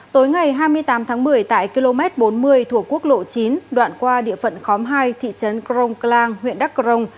tối ngày hai mươi tám tháng một mươi tại km bốn mươi thuộc quốc lộ chín đoạn qua địa phận khóm hai thị trấn crong clang huyện đắk crong